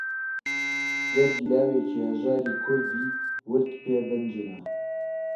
جەرگی لاوێکی هەژاری کوردی ورد پێ بنجنە